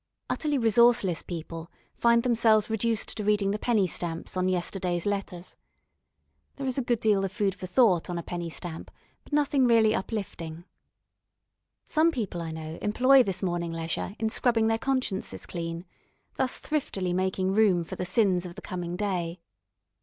Utterly resourceless people find themselves reduced to reading the penny stamps on yesterday's letters. There is a good deal of food for thought on a penny stamp, but nothing really uplifting. Some people I know employ this morning leisure in scrubbing their consciences clean, thus thriftily making room for the sins of the coming day.